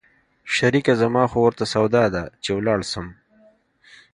شريکه زما خو ورته سودا ده چې ولاړ سم.